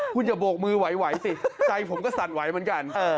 คุณอย่าโบกมือไหวสิใจผมก็สั่นไหวเหมือนกัน